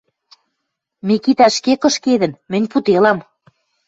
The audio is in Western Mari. – Микитӓ ӹшке кышкедӹн, мӹнь пуделам...